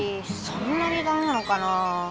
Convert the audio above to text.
そんなにダメなのかなぁ？